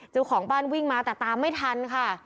เจ้าของบ้านวิ่งมาแต่ตามไม่ทันค่ะ